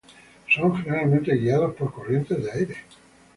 Son generalmente guiados por corrientes de aire.